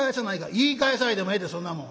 「言い返さいでもええでそんなもん」。